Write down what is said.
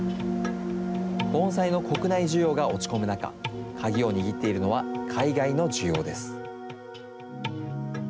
盆栽の国内需要が落ち込む中、鍵を握っているのは海外の需要です。